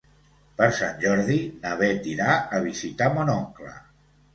Per Sant Jordi na Beth irà a visitar mon oncle.